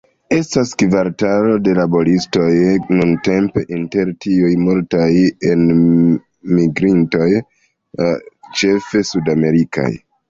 Estas kvartalo de laboristoj, nuntempe inter tiuj multaj enmigrintoj, ĉefe sudamerikaj.